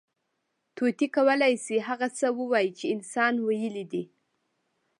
طوطي کولی شي، هغه څه ووایي، چې انسان ویلي دي.